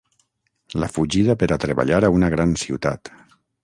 La fugida per a treballar a una gran ciutat.